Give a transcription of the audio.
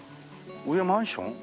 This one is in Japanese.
上マンション？